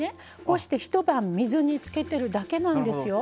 こうして一晩水につけてるだけなんですよ。